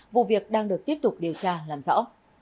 vụ việc đang được tiếp tục điều tra làm rõ